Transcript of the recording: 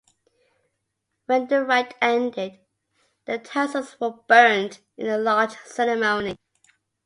When the rite ended, the tassels were burnt in a large ceremony.